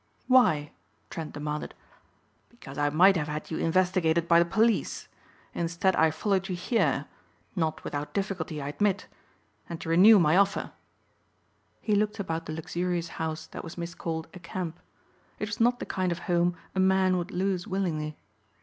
"Why?" Trent demanded. "Because I might have had you investigated by the police. Instead I followed you here not without difficulty I admit and renew my offer." He looked about the luxurious house that was miscalled a "camp." It was not the kind of home a man would lose willingly.